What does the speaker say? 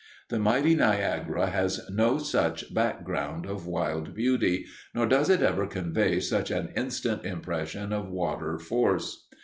The mighty Niagara has no such background of wild beauty, nor does it ever convey such an instant impression of water force.